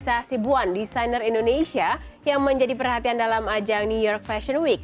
desa hasibuan desainer indonesia yang menjadi perhatian dalam ajang new york fashion week